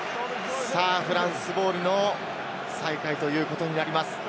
フランスボールの再開ということになります。